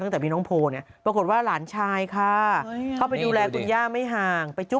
เห็นไหมก็จุ๊บจุ๊บจุ๊บจุ๊บ